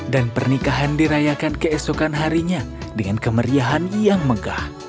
dan pernikahan dirayakan keesokan harinya dengan kemeriahan yang megah